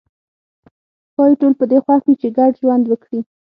ښايي ټول په دې خوښ وي چې ګډ ژوند وکړي.